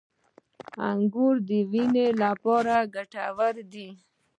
• انګور د وینې لپاره ګټور دي.